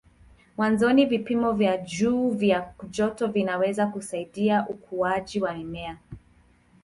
Mwanzoni vipimo vya juu vya joto vinaweza kusaidia ukuaji wa mimea.